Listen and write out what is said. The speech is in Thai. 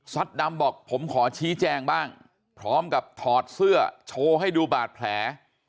ดำบอกผมขอชี้แจงบ้างพร้อมกับถอดเสื้อโชว์ให้ดูบาดแผล